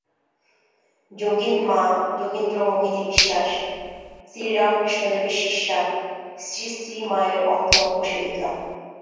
যোগীন-মা যোগীন্দ্রমোহিনী বিশ্বাস, শ্রীরামকৃষ্ণদেবের শিষ্যা, শ্রীশ্রীমায়ের অন্তরঙ্গ সেবিকা।